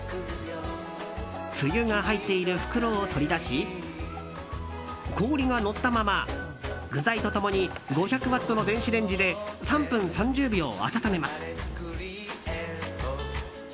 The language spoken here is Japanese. つゆが入っている袋を取り出し氷がのったまま具材と共に５００ワットの電子レンジで３分３０秒温めます。